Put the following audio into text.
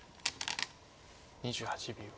２８秒。